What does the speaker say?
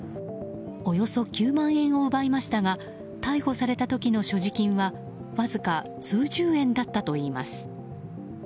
およそ９万円を奪いましたが逮捕された時の所持金はわずか数十円だったといいます。